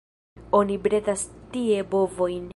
Oni bredas tie bovojn.